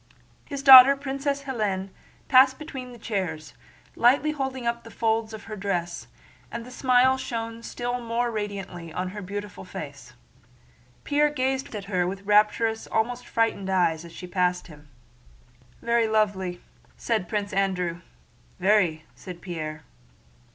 His daughter, Princess Hélène, passed between the chairs, lightly holding up the folds of her dress, and the smile shone still more radiantly on her beautiful face. Pierre gazed at her with rapturous, almost frightened, eyes as she passed him. "Very lovely," said Prince Andrew. "Very," said Pierre.